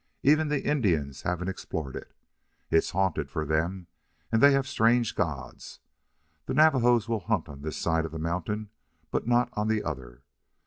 Even the Indians haven't explored it. It's haunted, for them, and they have strange gods. The Navajos will hunt on this side of the mountain, but not on the other.